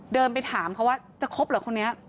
เดินไปถามเขาว่าจะคบเหรอคนนี้